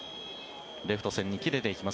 レフト線に切れていきます。